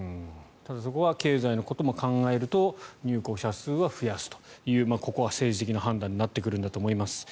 ただ、そこは経済のことも考えると入国者数は増やすというここは政治的な判断になってくるんだと思います。